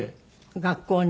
学校に？